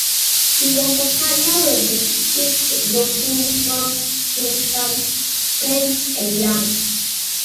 He was a partner with the City shipbroking firm Simpson, Spence and Young.